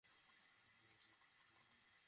উনি বলেছেন যে উনি গাড়ি আনলক করতে পারবে।